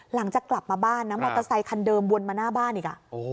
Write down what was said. หลังจากกลับมาบ้านนะมอเตอร์ไซคันเดิมวนมาหน้าบ้านอีก